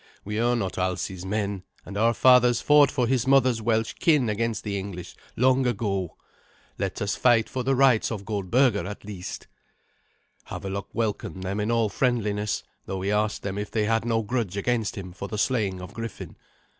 We are not Alsi's men, and our fathers fought for his mother's Welsh kin against the English long ago. Let us fight for the rights of Goldberga, at least." Havelok welcomed them in all friendliness, though he asked them if they had no grudge against him for the slaying of Griffin.